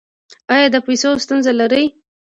ایا د پیسو ستونزه لرئ؟